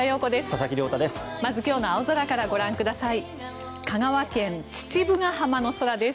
佐々木亮太です。